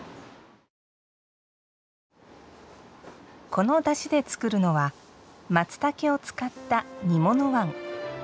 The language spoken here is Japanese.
このだしで作るのはまつたけを使った煮物わん。